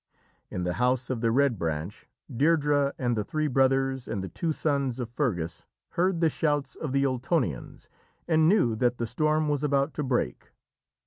In the House of the Red Branch, Deirdrê and the three brothers and the two sons of Fergus heard the shouts of the Ultonians and knew that the storm was about to break.